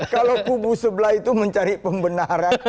kalau kubu sebelah itu mencari pembenaran